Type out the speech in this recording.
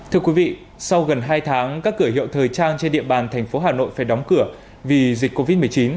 thưa quý vị sau gần hai tháng các cửa hiệu thời trang trên địa bàn thành phố hà nội phải đóng cửa vì dịch covid một mươi chín